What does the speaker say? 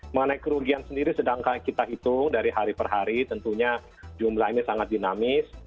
mengenai kerugian sendiri sedangkan kita hitung dari hari per hari tentunya jumlah ini sangat dinamis